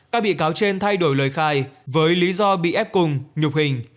các bị cáo trên thay đổi lời khai với lý do bị ép cùng nhục hình